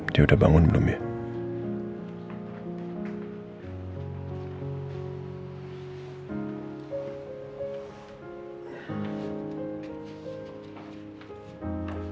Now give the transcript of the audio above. dia udah bangun belum ya